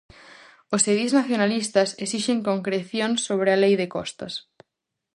Os edís nacionalistas esixen concreción sobre a Lei de Costas.